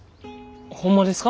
ホンマですか？